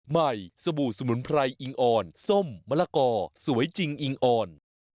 สบู่สมุนไพรอิงอ่อนส้มมะละกอสวยจริงอิงอ่อน